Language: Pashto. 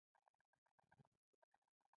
نالندا پوهنتون د زده کړې مرکز و.